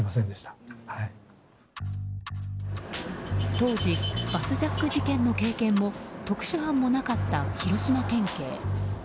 当時バスジャック事件の経験も特殊班もなかった広島県警。